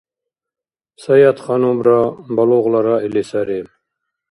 Саятханумра балугъла раили сари.